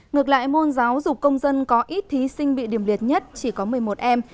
ngược lại môn giáo dục công dân có ít thí sinh bị điểm liệt nhất chỉ có một mươi một em